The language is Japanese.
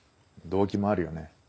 動機もあるよね。